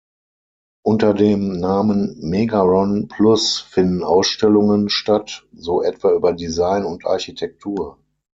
Unter dem Namen "Megaron Plus" finden Ausstellungen statt, so etwa über Design und Architektur.